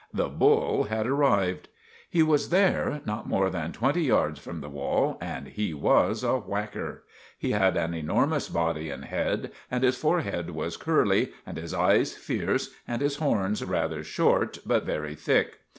The bull had arrived! He was there, not more than twenty yards from the wall, and he was a whacker. He had an enormous body and head, and his forehead was curly, and his eyes fierce, and his horns rather short but very thick.